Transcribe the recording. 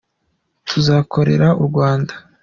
tuzakorere urwanda